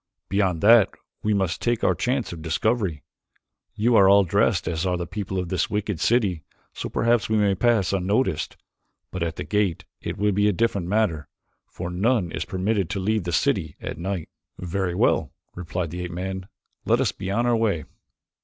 Beyond that we must take our chance of discovery. You are all dressed as are the people of this wicked city so perhaps we may pass unnoticed, but at the gate it will be a different matter, for none is permitted to leave the city at night." "Very well," replied the ape man, "let us be on our way."